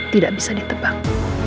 tidak bisa ditebang